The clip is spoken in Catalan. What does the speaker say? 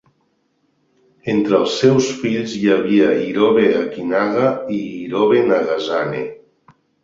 Entre els seus fills hi havia Irobe Akinaga i Irobe Nagazane.